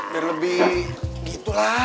biar lebih gitu lah